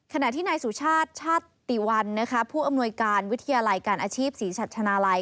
ขณะที่นายสุชาติชาติติวันผู้อำนวยการวิทยาลัยการอาชีพศรีสัชนาลัย